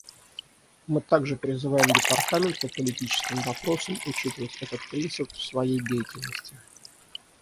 Мы также призываем Департамент по политическим вопросам учитывать этот принцип в своей деятельности.